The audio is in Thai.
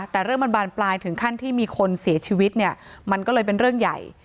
แต่เรื่องมันบานปลายถึงขั้นที่มีคนเสียชีวิตเนี่ยมันก็เลยเป็นเรื่องใหญ่